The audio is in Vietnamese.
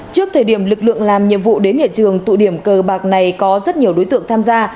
trước thời điểm lực lượng làm nhiệm vụ đến hiện trường tụ điểm cờ bạc này có rất nhiều đối tượng tham gia